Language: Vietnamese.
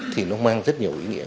thì nó mang rất nhiều ý nghĩa